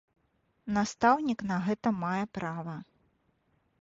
Настаўнік на гэта мае права.